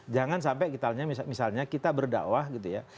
jangan sampai misalnya kita berdakwah gitu ya